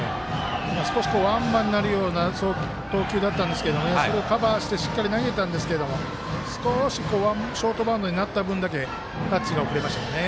少しワンバンになるような投球だったんですがそれをカバーしてしっかり投げたんですけど少しショートバウンドになった分だけタッチが遅れましたね。